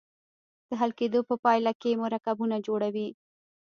د حل کیدو په پایله کې مرکبونه جوړوي.